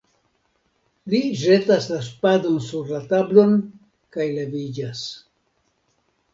Li ĵetas la spadon sur la tablon kaj leviĝas.